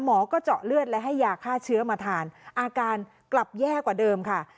หมอก็เจาะเลือดและให้ยาฆ่าเชื้อมาทานอาการกลับแย่กว่าเดิมค่ะ